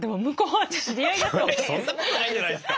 そんなことないんじゃないですか。